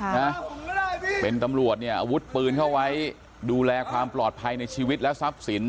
ค่ะนะเป็นตำรวจเนี่ยอาวุธปืนเข้าไว้ดูแลความปลอดภัยในชีวิตและทรัพย์สิน